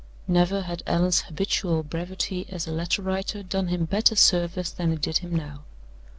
Never had Allan's habitual brevity as a letter writer done him better service than it did him now.